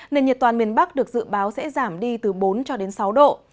nền nhiệt toàn miền bắc được dự báo sẽ giảm đi từ bốn cho đến sáu độ